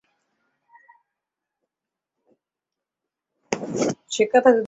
সেকথা যদি বাদ দেন, মামা বললে আমি তো না বলতে পারি না।